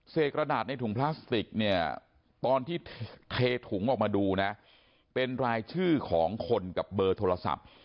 กระดาษในถุงพลาสติกเนี่ยตอนที่เทถุงออกมาดูนะเป็นรายชื่อของคนกับเบอร์โทรศัพท์